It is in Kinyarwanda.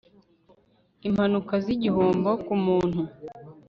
impanuka z igihombo ku muntu